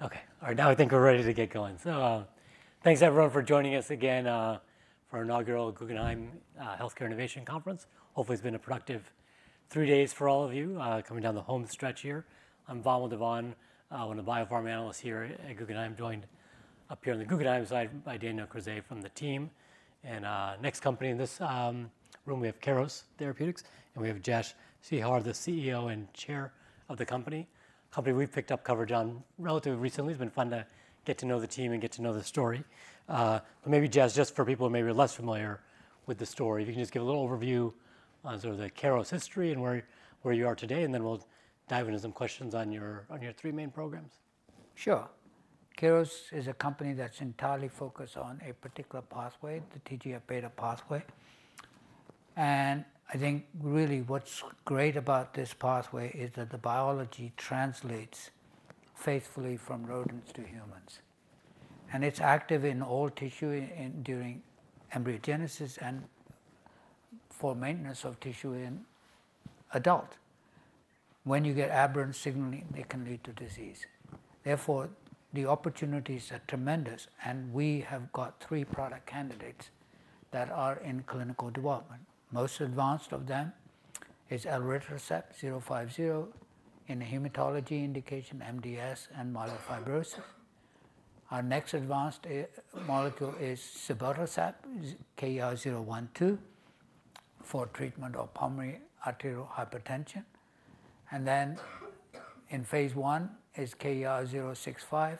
Okay. All right. Now I think we're ready to get going. So, thanks everyone for joining us again, for our inaugural Guggenheim Healthcare Innovation Conference. Hopefully, it's been a productive three days for all of you, coming down the home stretch here. I'm Vamil Divan, one of the biopharma analysts here at Guggenheim, joined up here on the Guggenheim side by Danielle Crozier from the team. And next company in this room, we have Keros Therapeutics, and we have Jasbir Seehra, the CEO and Chair of the company. Company we've picked up coverage on relatively recently. It's been fun to get to know the team and get to know the story. But maybe, Jas, just for people who may be less familiar with the story, if you can just give a little overview on sort of the Keros history and where you are today, and then we'll dive into some questions on your three main programs. Sure. Keros is a company that's entirely focused on a particular pathway, the TGF-beta pathway. And I think really what's great about this pathway is that the biology translates faithfully from rodents to humans. And it's active in all tissue in during embryogenesis and for maintenance of tissue in adult. When you get aberrant signaling, it can lead to disease. Therefore, the opportunities are tremendous. And we have got three product candidates that are in clinical development. Most advanced of them is elritercept KER-050 in a hematology indication, MDS, and myelofibrosis. Our next advanced molecule is cibotercept KER-012 for treatment of pulmonary arterial hypertension. And then in phase one is KER-065,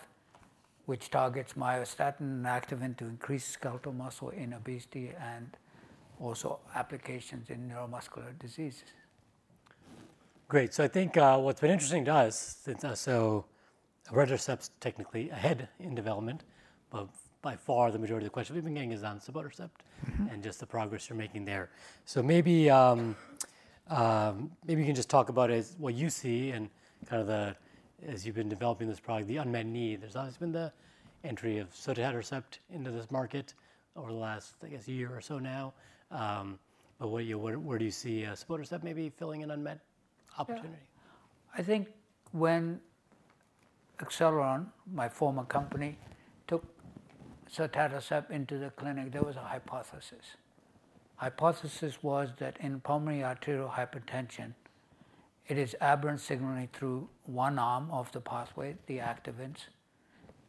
which targets myostatin and activin to increased skeletal muscle in obesity and also applications in neuromuscular diseases. Great. So I think what's been interesting, Jas, is that so elritercept's technically ahead in development, but by far the majority of the questions we've been getting is on cibotercept and just the progress you're making there. So maybe you can just talk about it as what you see and kind of the, as you've been developing this product, the unmet need. There's obviously been the entry of sotatercept into this market over the last, I guess, year or so now. But what you, where do you see cibotercept maybe filling an unmet opportunity? Yeah. I think when Acceleron, my former company, took sotaltercep into the clinic, there was a hypothesis. The hypothesis was that in pulmonary arterial hypertension, it is aberrant signaling through one arm of the pathway, the activins,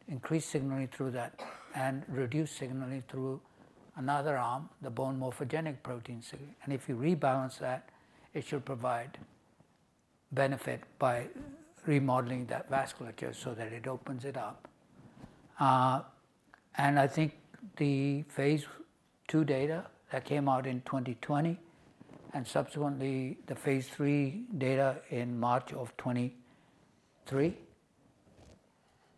increased signaling through that and reduced signaling through another arm, the bone morphogenetic protein signal. And if you rebalance that, it should provide benefit by remodeling that vasculature so that it opens it up. And I think the phase two data that came out in 2020 and subsequently the phase three data in March of 2023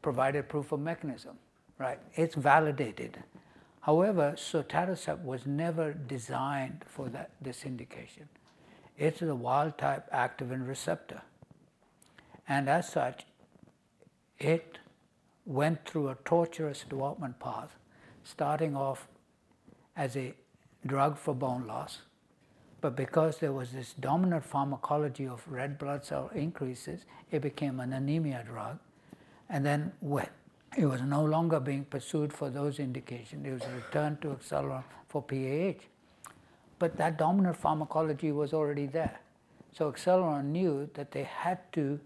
provided proof of mechanism, right? It's validated. However, sotaltercep was never designed for that, this indication. It's a wild-type activin receptor. And as such, it went through a torturous development path, starting off as a drug for bone loss. But because there was this dominant pharmacology of red blood cell increases, it became an anemia drug. And then it was no longer being pursued for those indications. It was returned to Acceleron for PAH. But that dominant pharmacology was already there. So Acceleron knew that they had to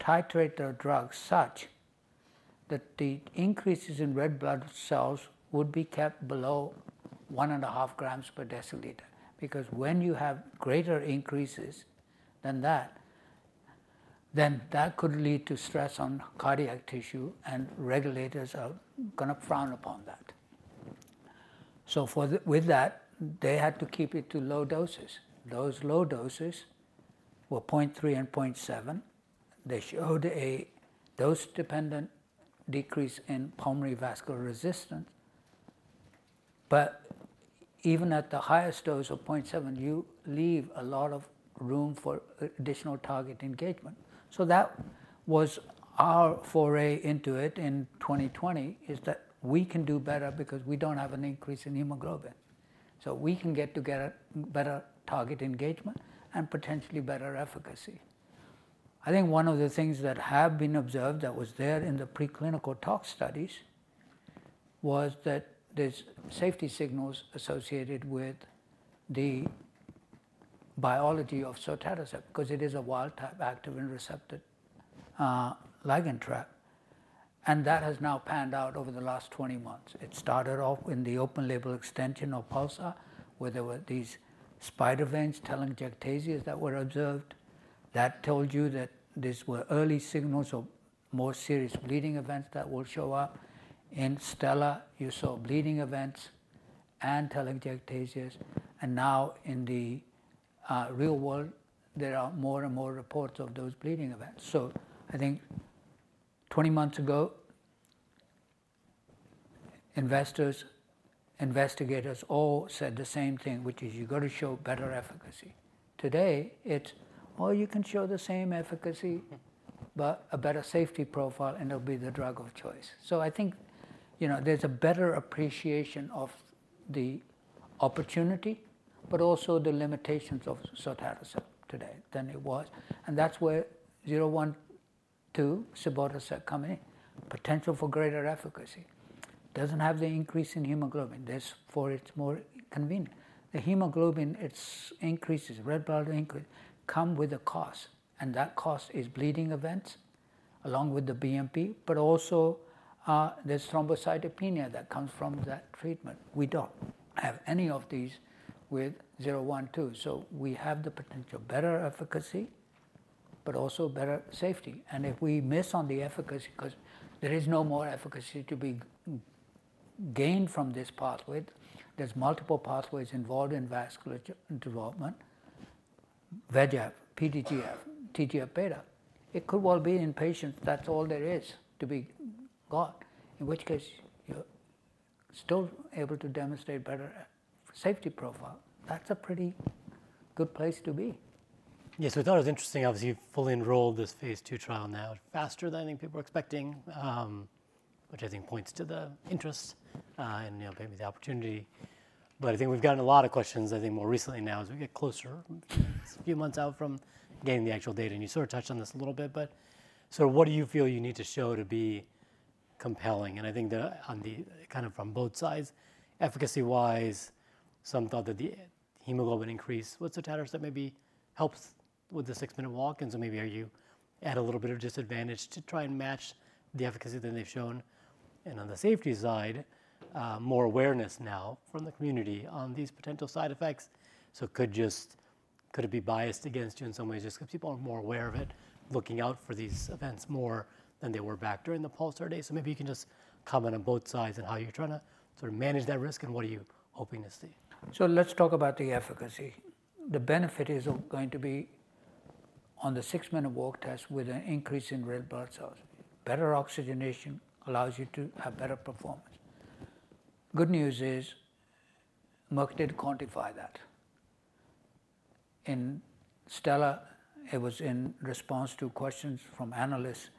titrate their drug such that the increases in red blood cells would be kept below one and a half grams per deciliter. Because when you have greater increases than that, then that could lead to stress on cardiac tissue, and regulators are gonna frown upon that. So for the, with that, they had to keep it to low doses. Those low doses were 0.3 mg and 0.7 mg. They showed a dose-dependent decrease in pulmonary vascular resistance. But even at the highest dose of 0.7 mg, you leave a lot of room for additional target engagement. So that was our foray into it in 2020, is that we can do better because we don't have an increase in hemoglobin. So we can get better target engagement and potentially better efficacy. I think one of the things that have been observed that was there in the preclinical talk studies was that there's safety signals associated with the biology of sotatercept because it is a wild-type activin receptor ligand trap. And that has now panned out over the last 20 months. It started off in the open-label extension of PULSAR, where there were these spider veins, telangiectasias that were observed. That told you that these were early signals of more serious bleeding events that will show up. In STELLA, you saw bleeding events and telangiectasias. And now in the real world, there are more and more reports of those bleeding events. So I think 20 months ago, investors, investigators all said the same thing, which is you gotta show better efficacy. Today, it's well, you can show the same efficacy, but a better safety profile, and it'll be the drug of choice. So I think, you know, there's a better appreciation of the opportunity, but also the limitations of sotatercept today than it was. And that's where 012, cibotercept company, potential for greater efficacy, doesn't have the increase in hemoglobin. There's four, it's more convenient. The hemoglobin, it increases, red blood increase come with a cost. And that cost is bleeding events along with the BMP, but also, there's thrombocytopenia that comes from that treatment. We don't have any of these with 012. So we have the potential, better efficacy, but also better safety. And if we miss on the efficacy, 'cause there is no more efficacy to be gained from this pathway, there's multiple pathways involved in vasculature development, VEGF, PDGF, TGF beta. It could well be in patients, that's all there is to be got, in which case you're still able to demonstrate better safety profile. That's a pretty good place to be. Yeah. So we thought it was interesting, obviously fully enrolled this phase two trial now, faster than I think people were expecting, which I think points to the interest, and, you know, maybe the opportunity. But I think we've gotten a lot of questions, I think more recently now as we get closer, a few months out from getting the actual data. And you sort of touched on this a little bit, but sort of what do you feel you need to show to be compelling? And I think that on the kind of from both sides, efficacy-wise, some thought that the hemoglobin increase with sotaltercep maybe helps with the six-minute walk. And so maybe are you at a little bit of disadvantage to try and match the efficacy that they've shown? And on the safety side, more awareness now from the community on these potential side effects. So could it be biased against you in some ways just 'cause people are more aware of it, looking out for these events more than they were back during the PULSAR day? So maybe you can just comment on both sides and how you're trying to sort of manage that risk and what are you hoping to see? So let's talk about the efficacy. The benefit is going to be on the Six-minute walk test with an increase in red blood cells. Better oxygenation allows you to have better performance. Good news is market didn't quantify that. In STELLA, it was in response to questions from analysts.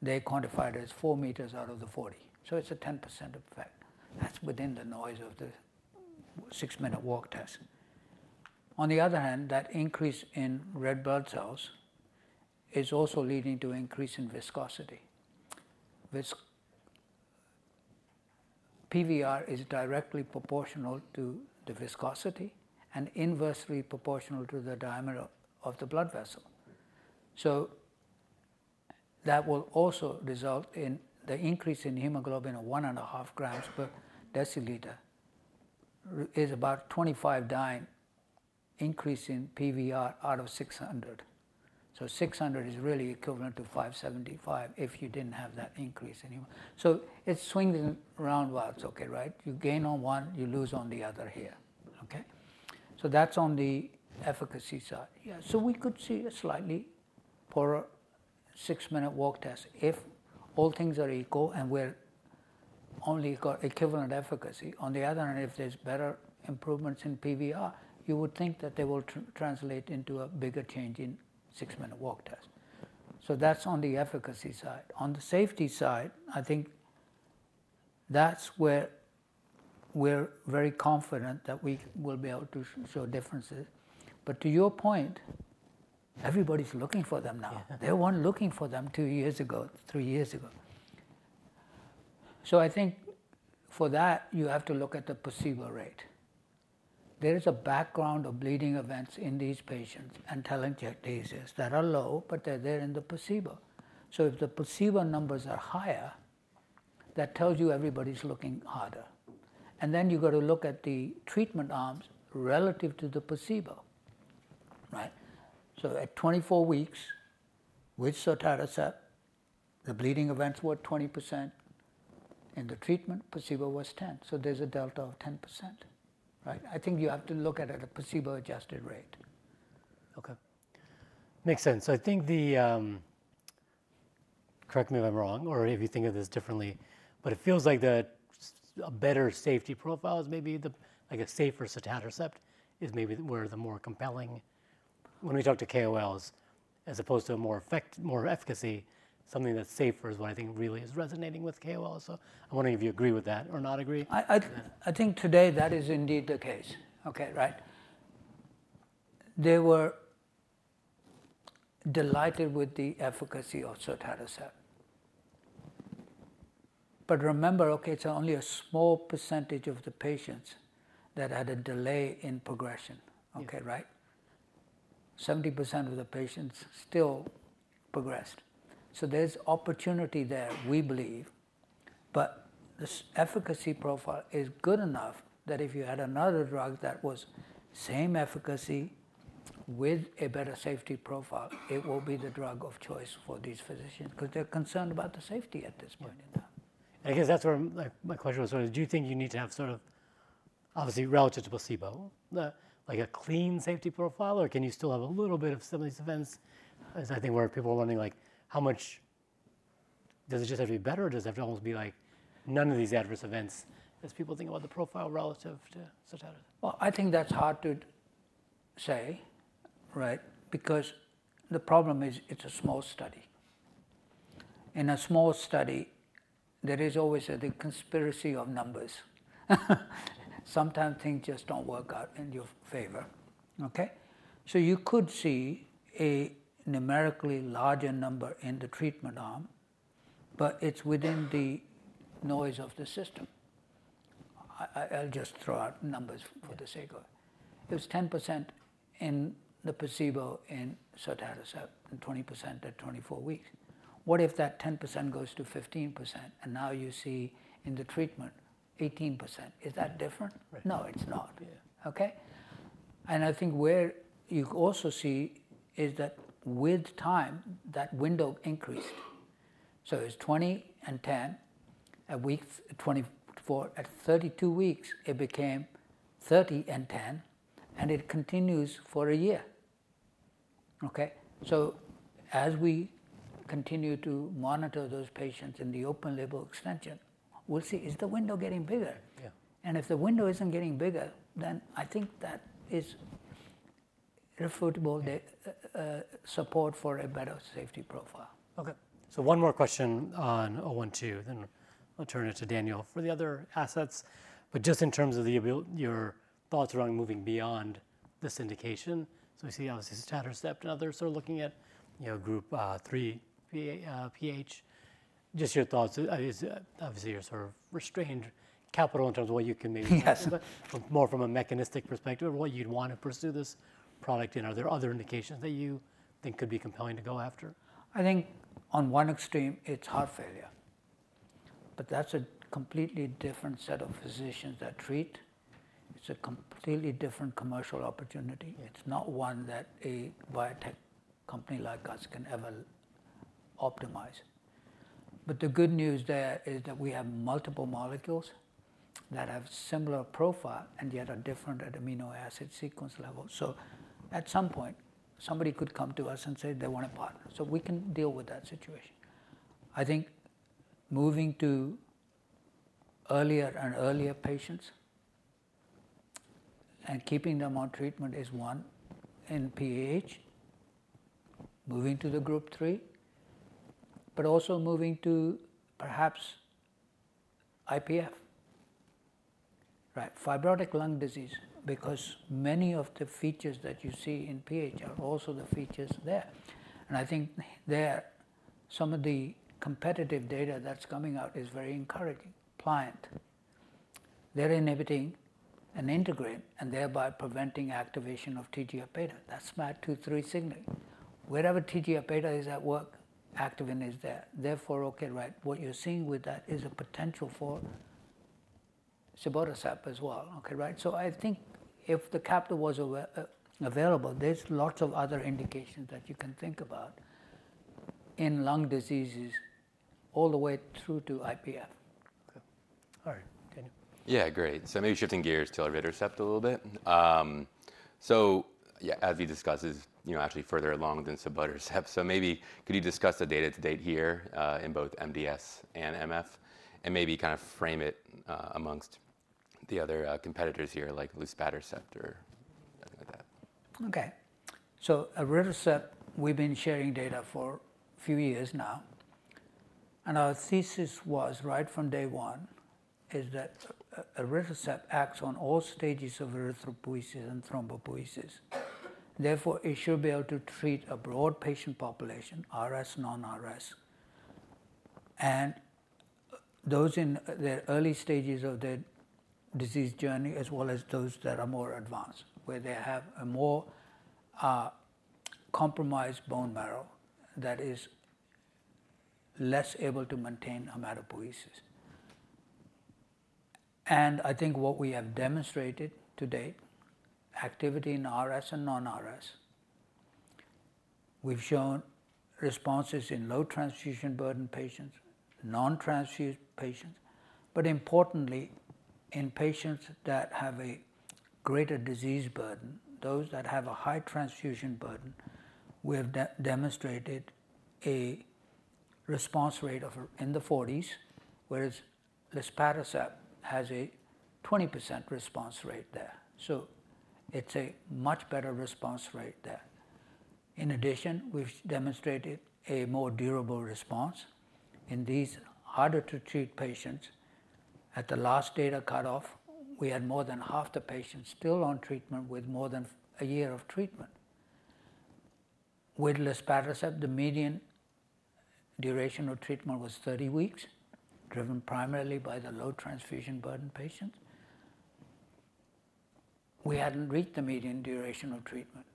They quantified it as four meters out of the 40. So it's a 10% effect. That's within the noise of the Six-minute walk test. On the other hand, that increase in red blood cells is also leading to increase in viscosity. Vis PVR is directly proportional to the viscosity and inversely proportional to the diameter of the blood vessel. So that will also result in the increase in hemoglobin of one and a half grams per deciliter is about 25 dyne increase in PVR out of 600. So 600 is really equivalent to 575 if you didn't have that increase anymore. So it's swinging around wild, okay, right? You gain on one, you lose on the other here. Okay? So that's on the efficacy side. Yeah. So we could see a slightly poorer six-minute walk test if all things are equal and we're only got equivalent efficacy. On the other hand, if there's better improvements in PVR, you would think that they will translate into a bigger change in six-minute walk test. So that's on the efficacy side. On the safety side, I think that's where we're very confident that we will be able to show differences. But to your point, everybody's looking for them now. They weren't looking for them two years ago, three years ago. So I think for that, you have to look at the placebo rate. There is a background of bleeding events in these patients and telangiectasias that are low, but they're there in the placebo. So if the placebo numbers are higher, that tells you everybody's looking harder. And then you gotta look at the treatment arms relative to the placebo, right? So at 24 weeks with sotaltercep, the bleeding events were 20%. In the treatment, placebo was 10%. So there's a delta of 10%, right? I think you have to look at it at a placebo-adjusted rate. Okay. Makes sense. So I think the, correct me if I'm wrong, or if you think of this differently, but it feels like the better safety profile is maybe the, like a safer sotaltercep is maybe where the more compelling, when we talk to KOLs, as opposed to a more effect, more efficacy, something that's safer is what I think really is resonating with KOLs. So I'm wondering if you agree with that or not agree. I think today that is indeed the case. Okay, right? They were delighted with the efficacy of sotatercept. But remember, okay, it's only a small percentage of the patients that had a delay in progression. Okay, right? 70% of the patients still progressed. So there's opportunity there, we believe. But the efficacy profile is good enough that if you had another drug that was same efficacy with a better safety profile, it will be the drug of choice for these physicians 'cause they're concerned about the safety at this point in time. I guess that's where my question was sort of, do you think you need to have sort of, obviously relative to placebo, like a clean safety profile, or can you still have a little bit of some of these events? As I think where people are wondering, like, how much does it just have to be better or does it have to almost be like none of these adverse events as people think about the profile relative to sotaltercep? Well, I think that's hard to say, right? Because the problem is it's a small study. In a small study, there is always a conspiracy of numbers. Sometimes things just don't work out in your favor. Okay? So you could see a numerically larger number in the treatment arm, but it's within the noise of the system. I'll just throw out numbers for the sake of it. It was 10% in the placebo in sotaltercep and 20% at 24 weeks. What if that 10% goes to 15% and now you see in the treatment 18%? Is that different? No, it's not. Okay? And I think where you also see is that with time, that window increased. So it's 20 and 10 at 24 weeks, at 32 weeks it became 30 and 10, and it continues for a year. Okay? So as we continue to monitor those patients in the open label extension, we'll see, is the window getting bigger? And if the window isn't getting bigger, then I think that is refutable support for a better safety profile. Okay. So one more question on 012, then I'll turn it to Danielle for the other assets. But just in terms of the label, your thoughts around moving beyond this indication. So we see obviously sotaltercep and others are looking at, you know, Group 3 PAH. Just your thoughts, obviously you're sort of constrained capital in terms of what you can maybe do more from a mechanistic perspective of what you'd want to pursue this product in. Are there other indications that you think could be compelling to go after? I think on one extreme, it's heart failure. But that's a completely different set of physicians that treat. It's a completely different commercial opportunity. It's not one that a biotech company like us can ever optimize. But the good news there is that we have multiple molecules that have similar profile and yet are different at amino acid sequence level. So at some point, somebody could come to us and say they want a partner. So we can deal with that situation. I think moving to earlier and earlier patients and keeping them on treatment is one in PH, moving to the group three, but also moving to perhaps IPF, right? Fibrotic lung disease, because many of the features that you see in PH are also the features there. And I think there's some of the competitive data that's coming out is very encouraging. Pliant, they're inhibiting an integrin and thereby preventing activation of TGF-beta. That's SMAD 2/3 signaling. Wherever TGF-beta is at work, activin is there. Therefore, okay, right? What you're seeing with that is a potential for sotatercept as well. Okay, right? So I think if the capital was available, there's lots of other indications that you can think about in lung diseases all the way through to IPF. Okay. All right. Danielle? Yeah, great. So maybe shifting gears to elritercept a little bit. Yeah, as we discussed, it's, you know, actually further along than sotatercept. So maybe could you discuss the data to date here, in both MDS and MF, and maybe kind of frame it among the other competitors here like luspatercept or something like that? Okay. So elritercept, we've been sharing data for a few years now. And our thesis was right from day one is that elritercept acts on all stages of erythropoiesis and thrombopoiesis. Therefore, it should be able to treat a broad patient population, RS, non-RS, and those in their early stages of their disease journey, as well as those that are more advanced where they have a more compromised bone marrow that is less able to maintain hematopoiesis. And I think what we have demonstrated to date, activity in RS and non-RS, we've shown responses in low transfusion burden patients, non-transfused patients, but importantly, in patients that have a greater disease burden, those that have a high transfusion burden, we have demonstrated a response rate of in the 40s, whereas luspatercept has a 20% response rate there. So it's a much better response rate there. In addition, we've demonstrated a more durable response in these harder to treat patients. At the last data cutoff, we had more than half the patients still on treatment with more than a year of treatment. With Luspatercept, the median duration of treatment was 30 weeks, driven primarily by the low transfusion burden patients. We hadn't reached the median duration of treatment.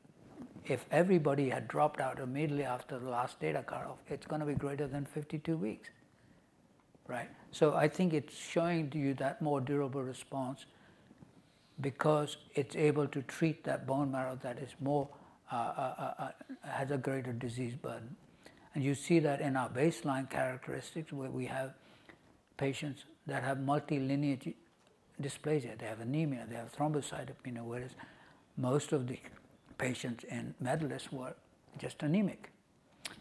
If everybody had dropped out immediately after the last data cutoff, it's gonna be greater than 52 weeks, right? So I think it's showing to you that more durable response because it's able to treat that bone marrow that is more, has a greater disease burden. And you see that in our baseline characteristics where we have patients that have multilineage dysplasia. They have anemia, they have thrombocytopenia, whereas most of the patients in MEDALIST were just anemic.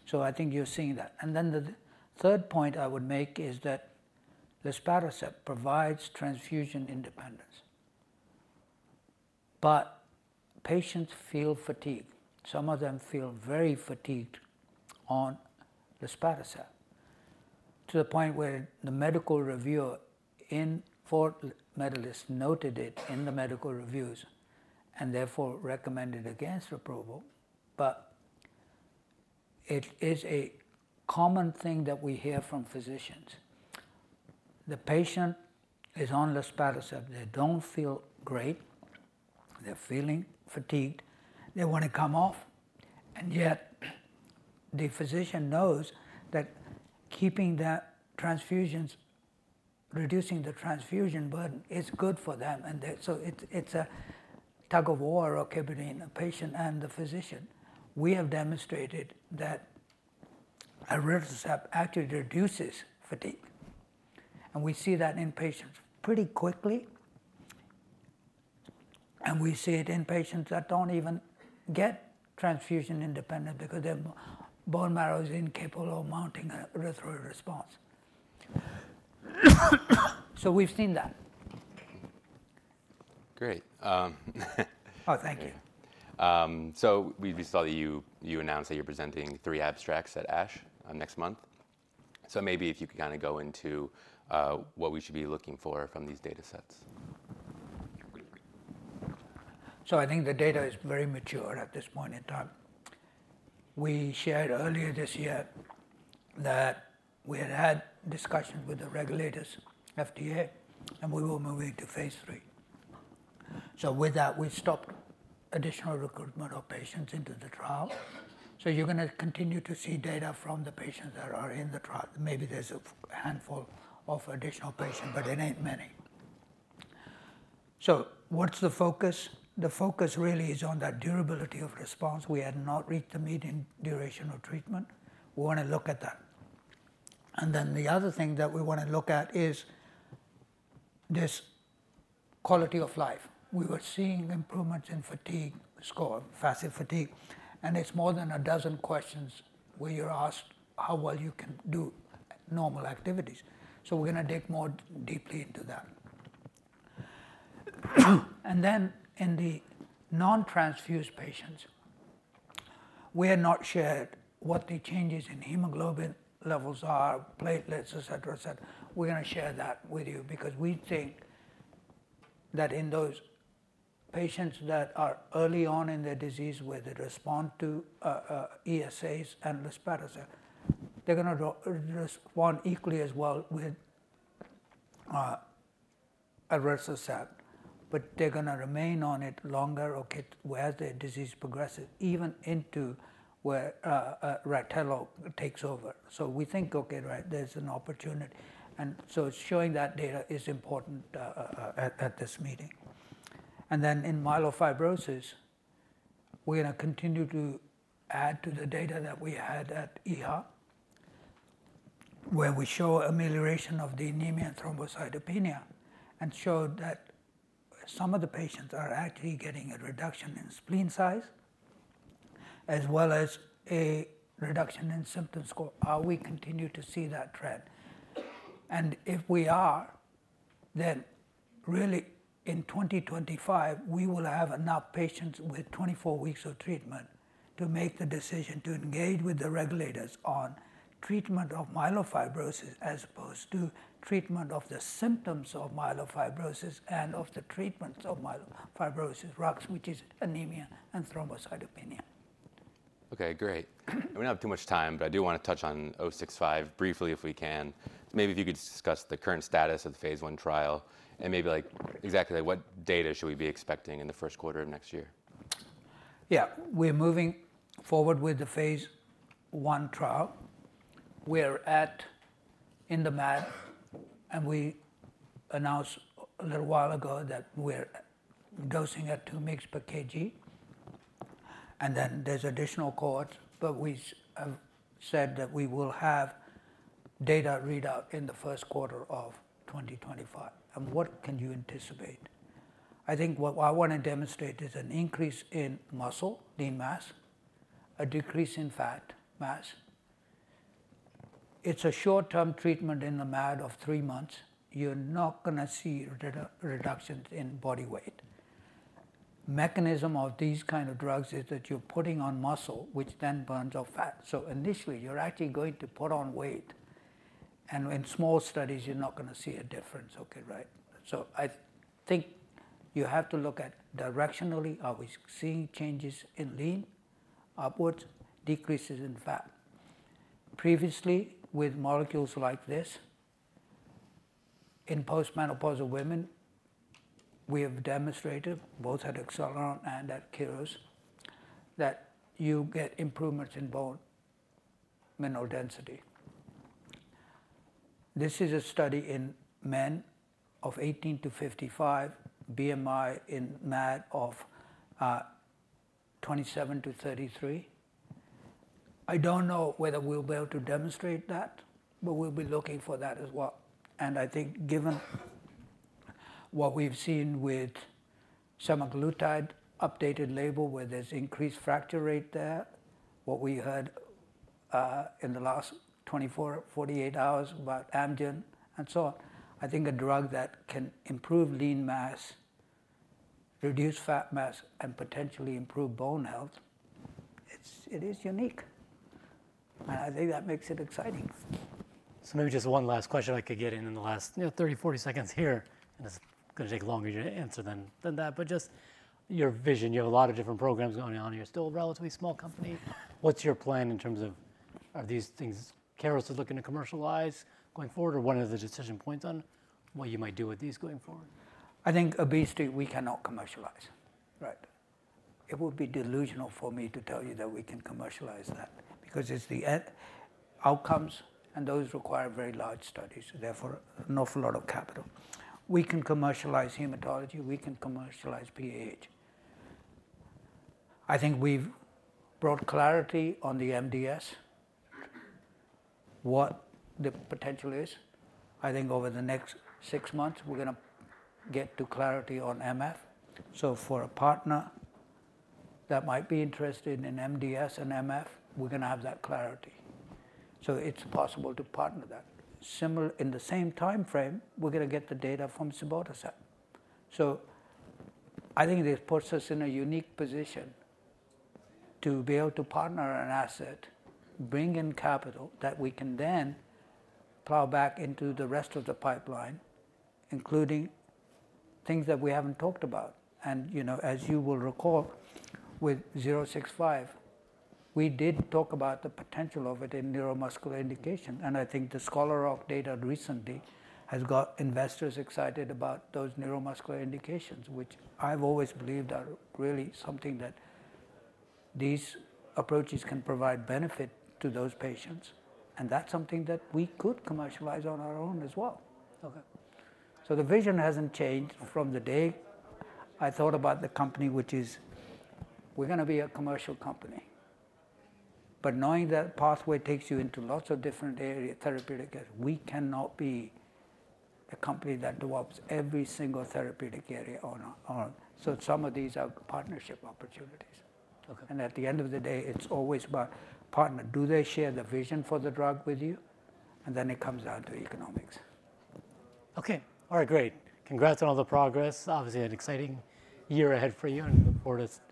So I think you're seeing that. And then the third point I would make is that Luspatercept provides transfusion independence. But patients feel fatigued. Some of them feel very fatigued on Luspatercept to the point where the medical reviewer in MEDALIST noted it in the medical reviews and therefore recommended against approval. But it is a common thing that we hear from physicians. The patient is on Luspatercept, they don't feel great, they're feeling fatigued, they wanna come off. And yet the physician knows that keeping that transfusions, reducing the transfusion burden is good for them. And so it's a tug of war, okay, between the patient and the physician. We have demonstrated that Elritercept actually reduces fatigue. And we see that in patients pretty quickly. And we see it in patients that don't even get transfusion independent because their bone marrow is incapable of mounting an erythroid response. So we've seen that. Great. Oh, thank you. We saw that you announced that you're presenting three abstracts at ASH next month. Maybe if you could kind of go into what we should be looking for from these data sets. So I think the data is very mature at this point in time. We shared earlier this year that we had had discussions with the regulators, FDA, and we were moving to phase three. So with that, we stopped additional recruitment of patients into the trial. So you're gonna continue to see data from the patients that are in the trial. Maybe there's a handful of additional patients, but it ain't many. So what's the focus? The focus really is on that durability of response. We had not reached the median duration of treatment. We wanna look at that. And then the other thing that we wanna look at is this quality of life. We were seeing improvements in fatigue score, passive fatigue. And it's more than a dozen questions where you're asked how well you can do normal activities. So we're gonna dig more deeply into that. And then in the non-transfused patients, we have not shared what the changes in hemoglobin levels are, platelets, et cetera, et cetera. We're gonna share that with you because we think that in those patients that are early on in their disease where they respond to ESAs and luspatercept, they're gonna respond equally as well with elritercept, but they're gonna remain on it longer, okay, whereas their disease progresses even into where Rytelo takes over. So we think, okay, right, there's an opportunity. And so showing that data is important at this meeting. And then in myelofibrosis, we're gonna continue to add to the data that we had at EHA where we show amelioration of the anemia and thrombocytopenia and showed that some of the patients are actually getting a reduction in spleen size as well as a reduction in symptom score. And we continue to see that trend? If we are, then really in 2025, we will have enough patients with 24 weeks of treatment to make the decision to engage with the regulators on treatment of myelofibrosis as opposed to treatment of the symptoms of myelofibrosis and of the treatments of myelofibrosis Rux, which is anemia and thrombocytopenia. Okay, great. We don't have too much time, but I do wanna touch on 065 briefly if we can. Maybe if you could discuss the current status of the phase one trial and maybe like exactly like what data should we be expecting in the first quarter of next year? Yeah, we are moving forward with the phase one trial. We are in the MAD, and we announced a little while ago that we're dosing at two mg per kg, and then there's additional cohorts, but we have said that we will have data readout in the first quarter of 2025. And what can you anticipate? I think what I wanna demonstrate is an increase in muscle lean mass, a decrease in fat mass. It's a short-term treatment in the MAD of three months. You're not gonna see reductions in body weight. Mechanism of these kind of drugs is that you're putting on muscle, which then burns off fat. So initially, you're actually going to put on weight. And in small studies, you're not gonna see a difference, okay, right? So I think you have to look at directionally, are we seeing changes in lean upwards, decreases in fat? Previously, with molecules like this in postmenopausal women, we have demonstrated both at Acceleron and at Keros that you get improvements in bone mineral density. This is a study in men of 18-55, BMI in the range of 27-33. I don't know whether we'll be able to demonstrate that, but we'll be looking for that as well. I think given what we've seen with semaglutide updated label where there's increased fracture rate there, what we heard in the last 24-48 hours about Amgen and so on, I think a drug that can improve lean mass, reduce fat mass, and potentially improve bone health, it is unique. I think that makes it exciting. So maybe just one last question I could get in the last, you know, 30, 40 seconds here, and it's gonna take longer to answer than that, but just your vision. You have a lot of different programs going on. You're still a relatively small company. What's your plan in terms of are these things Keros is looking to commercialize going forward, or what are the decision points on what you might do with these going forward? I think obesity we cannot commercialize, right? It would be delusional for me to tell you that we can commercialize that because it's the outcomes, and those require very large studies. Therefore, an awful lot of capital. We can commercialize hematology, we can commercialize PH. I think we've brought clarity on the MDS, what the potential is. I think over the next six months, we're gonna get to clarity on MF. For a partner that might be interested in MDS and MF, we're gonna have that clarity. It's possible to partner that. Similar, in the same timeframe, we're gonna get the data from sotatercept. This puts us in a unique position to be able to partner an asset, bring in capital that we can then plow back into the rest of the pipeline, including things that we haven't talked about. You know, as you will recall, with 065, we did talk about the potential of it in neuromuscular indication. I think the Scholar Rock recently has got investors excited about those neuromuscular indications, which I've always believed are really something that these approaches can provide benefit to those patients. That's something that we could commercialize on our own as well. Okay. The vision hasn't changed from the day I thought about the company, which is we're gonna be a commercial company. But knowing that pathway takes you into lots of different area therapeutically, we cannot be a company that develops every single therapeutic area on our own. Some of these are partnership opportunities. Okay. And at the end of the day, it's always about partner. Do they share the vision for the drug with you? And then it comes down to economics. Okay. All right, great. Congrats on all the progress. Obviously, an exciting year ahead for you, and we look forward to following.